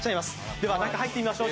では中、入ってみましょう。